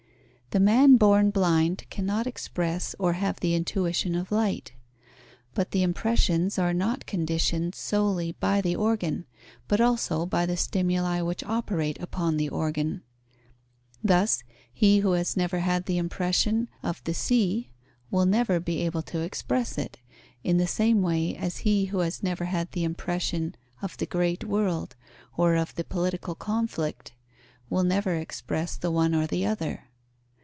The man born blind cannot express or have the intuition of light. But the impressions are not conditioned solely by the organ, but also by the stimuli which operate upon the organ. Thus, he who has never had the impression of the sea will never be able to express it, in the same way as he who has never had the impression of the great world or of the political conflict will never express the one or the other.